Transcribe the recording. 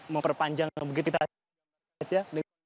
memperpanjang begitu saja